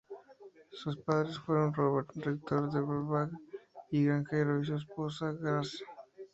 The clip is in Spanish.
Sus padres fueron Robert, rector de Burbage y granjero, y su esposa Grace.